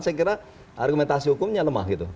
saya kira argumentasi hukumnya lemah gitu